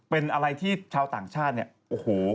เป็นอะไรที่ชาวต่างชาติเนี่ยโอ้โห